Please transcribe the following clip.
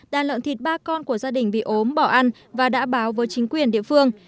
đàn lợn thịt ba con của gia đình bị ốm bỏ ăn và đã báo với chính quyền địa phương